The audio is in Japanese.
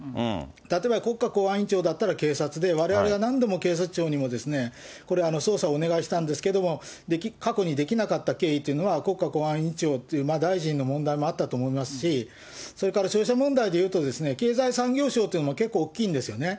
例えば国家公安委員長だったら警察で、われわれは何度も警察庁にもこれ、捜査をお願いしたんですけれども、過去にできなかった経緯というのは、国家公安委員長っていう、大臣の問題もあったと思いますし、それから消費者問題でいうと、経済産業省っていうのも結構大きいんですよね。